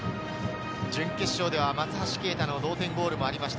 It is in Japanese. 準決勝では松橋啓太の同点ゴールもありました。